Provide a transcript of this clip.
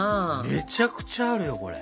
めちゃくちゃあるよこれ。